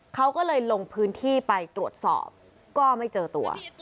เขาก็เลยลงพื้นที่ไปตรวจสอบก็ไม่เจอตัว